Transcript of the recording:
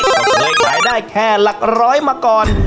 ก็เคยขายได้แค่หลักร้อยมาก่อน